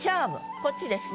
こっちですね。